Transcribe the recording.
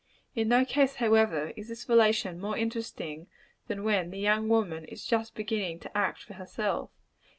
In no case; however, is this relation more interesting, than when the young woman is just beginning to act for herself.